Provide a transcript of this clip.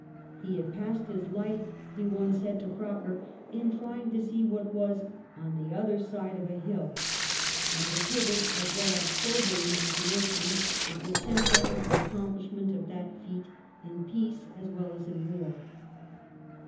He had passed his life, he once said to Croker, in trying to see what was " on the other side of a hill," and a vivid as well as sober imagination is essential to the accomplishment of that feat in peace as well as in war.